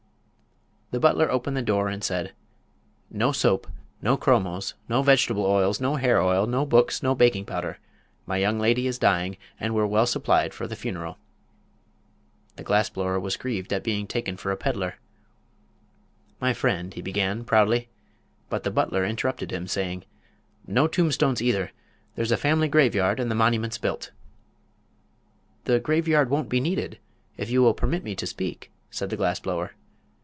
The butler opened the door and said: "No soap, no chromos, no vegetables, no hair oil, no books, no baking powder. My young lady is dying and we're well supplied for the funeral." The glass blower was grieved at being taken for a peddler. "My friend," he began, proudly; but the butler interrupted him, saying: "No tombstones, either; there's a family graveyard and the monument's built." "The graveyard won't be needed if you will permit me to speak," said the glass blower.